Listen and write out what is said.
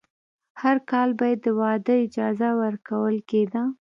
هر کال به یې د واده اجازه ورکول کېده.